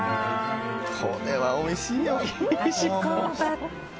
これはおいしいよ。